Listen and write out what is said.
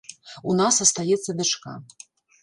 У нас астаецца дачка.